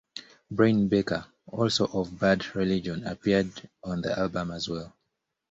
Brian Baker, also of Bad Religion, appeared on the album as well.